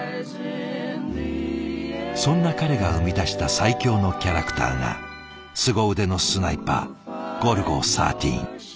そんな彼が生み出した最強のキャラクターがすご腕のスナイパーゴルゴ１３。